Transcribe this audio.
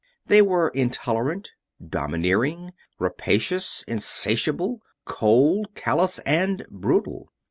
They were intolerant, domineering, rapacious, insatiable, cold, callous, and brutal.